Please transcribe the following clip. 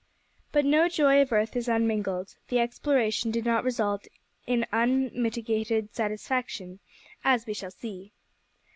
But no joy of earth is unmingled. The exploration did not result in unmitigated satisfaction, as we shall see.